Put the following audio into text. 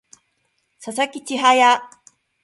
佐々木千隼